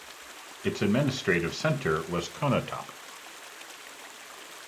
Its administrative centre was Konotop.